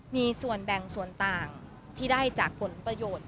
มีส่วนแบ่งส่วนต่างที่ได้จากผลประโยชน์